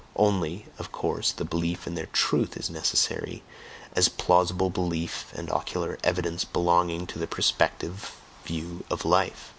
Only, of course, the belief in their truth is necessary, as plausible belief and ocular evidence belonging to the perspective view of life.